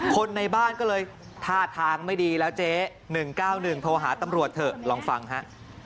คนในบ้านก็เลยท่าทางไม่ดีแล้วเจ๊๑๙๑โทรหาตำรวจเถอะลองฟังฮะ